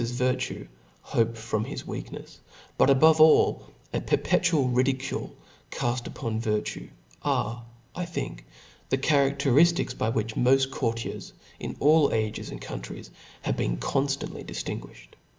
prince's virtue, hope from his weaknefs, but above all, a perpetual ridicule caft upon virtue, are, I think, the charadteriftrcs by which fnoft courtiers in all ages and countries have been conftantly di ftinguiflied.